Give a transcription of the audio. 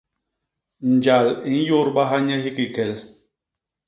Njal i nyôdbaha nye hikii kel.